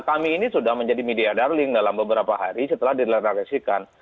kami ini sudah menjadi media darling dalam beberapa hari setelah dilerasikan